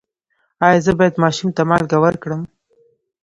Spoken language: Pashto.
ایا زه باید ماشوم ته مالګه ورکړم؟